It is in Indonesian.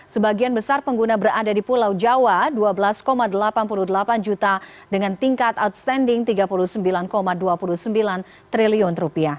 sebagian besar pengguna berada di pulau jawa rp dua belas delapan puluh delapan juta dengan tingkat outstanding rp tiga puluh sembilan dua puluh sembilan triliun